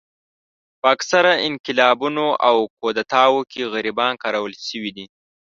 په اکثره انقلابونو او کودتاوو کې غریبان کارول شوي دي.